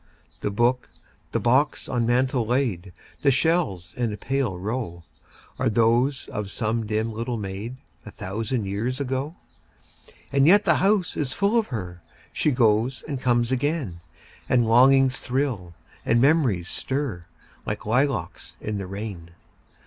The book, the box on mantel laid, The shells in a pale row, Are those of some dim little maid, A thousand years ago. And yet the house is full of her; She goes and comes again; And longings thrill, and memories stir, Like lilacs in the rain.